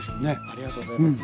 ありがとうございます。